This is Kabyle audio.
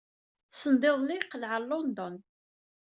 Sendiḍelli i yeqleɛ ɣer London.